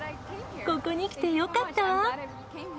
ここに来てよかったわ。